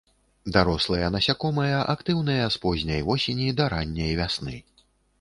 Дарослыя насякомыя актыўныя з позняй восені да ранняй вясны.